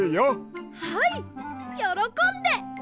はいよろこんで！